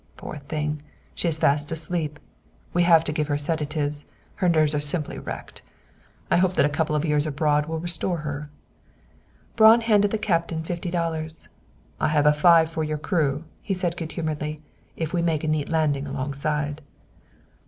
Poor thing! She is fast asleep! We have to give her sedatives; her nerves are simply wrecked. I hope that a couple of years abroad will restore her." Braun handed the Captain fifty dollars. "I have a five for your crew," he said, good humoredly, "if we make a neat landing alongside."